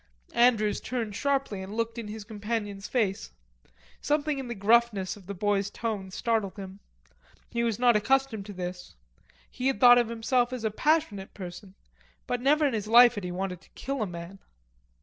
Andrews turned sharply and looked in his companion's face; something in the gruffness of the boy's tone startled him. He was not accustomed to this. He had thought of himself as a passionate person, but never in his life had he wanted to kill a man.